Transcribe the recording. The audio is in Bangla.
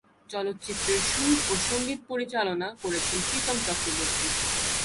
চলচ্চিত্রের সুর ও সঙ্গীত পরিচালনা করেছেন প্রীতম চক্রবর্তী।